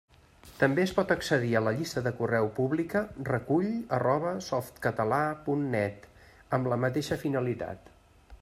També es pot accedir a la llista de correu pública recull@softcatala.net amb la mateixa finalitat.